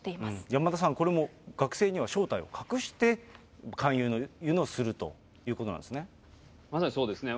山田さん、これも学生には正体を隠して、勧誘をするというこまさにそうですね。